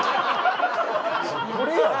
これやろ。